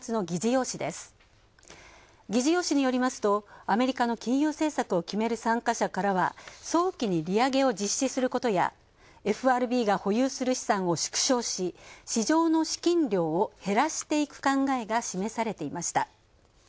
議事要旨によりますとアメリカの金融政策を決める参加者からは、早期に利上げを実施することやＦＲＢが保有する資産を縮小し市場の資金量を減らしていく考えが示されていました。